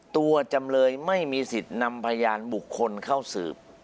จำเลยไม่มีสิทธิ์นำพยานบุคคลเข้าสืบ